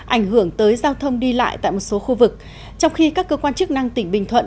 ảnh hưởng tới giao thông đi lại tại một số khu vực trong khi các cơ quan chức năng tỉnh bình thuận